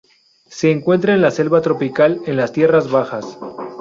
Se encuentran en la selva tropical en las tierras bajas.